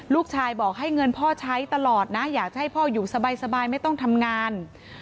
ลูกชายบอกให้เงินพ่อใช้ตลอดนะอยากจะให้พ่ออยู่สบายไม่ต้องทำงาน